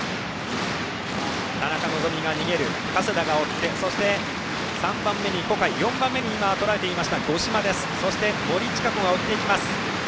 田中希実が逃げて加世田が追ってそして、３番目に小海４番目に五島そして森智香子が追っていきます。